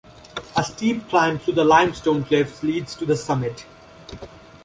A steep climb through the limestone cliffs leads to the summit.